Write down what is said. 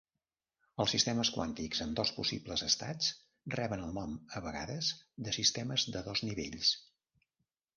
Els sistemes quàntics amb dos possibles estats reben el nom a vegades de sistemes de dos nivells.